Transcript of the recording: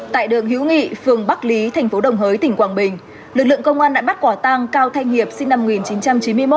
tại đường hiếu nghị phường bắc lý thành phố đồng hới tỉnh quảng bình lực lượng công an đã bắt quả tang cao thanh hiệp sinh năm một nghìn chín trăm chín mươi một